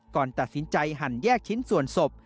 ก่อนตัดสินใจหั่นแยกชิ้นส่วนศพ